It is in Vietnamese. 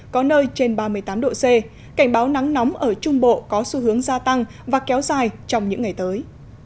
có nơi trên ba mươi tám độ c cảnh báo nắng nóng ở trung bộ có xu hướng gia tăng và kéo dài trong những ngày tới